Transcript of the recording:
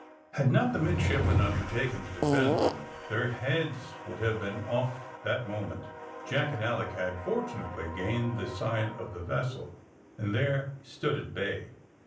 Had not the midshipmen undertaken to defend them, their heads would have been off that moment. Jack and Alick had fortunately gained the side of the vessel, and there stood at bay.